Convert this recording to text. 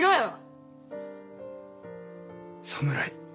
侍。